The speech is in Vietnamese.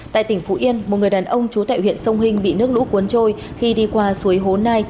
tại tỉnh phú yên một người đàn ông trú tại huyện sông hinh bị nước lũ cuốn trôi khi đi qua suối hố nai